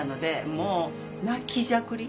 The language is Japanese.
もう泣きじゃくり。